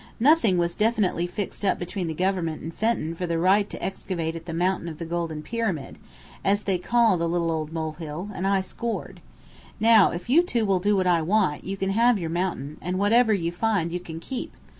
Nothing was definitely fixed up between the Government and Fenton for the right to excavate at the Mountain of the Golden Pyramid, as they call the little old molehill, and I scored. Now, if you two will do what I want, you can have your mountain, and whatever you find you can keep.